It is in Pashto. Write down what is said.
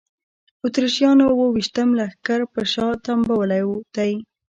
اتریشیانو اوه ویشتم لښکر په شا تنبولی دی.